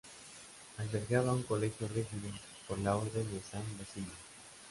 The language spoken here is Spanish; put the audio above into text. Albergaba un colegio regido por la Orden de San Basilio.